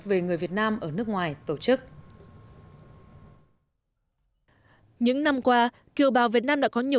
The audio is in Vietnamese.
về người việt nam ở nước ngoài tổ chức những năm qua kiều bào việt nam đã có nhiều